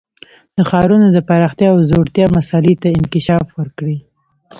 د ښارونو د پراختیا او ځوړتیا مسئلې ته انکشاف ورکړي.